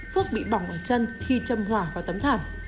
phước bị bỏng ở chân khi châm hỏa vào tấm thảm